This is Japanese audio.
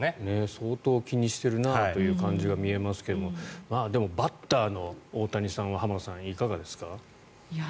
相当気にしてるなという感じは見えますけれどでもバッターの大谷さんは浜田さん、いかがですか。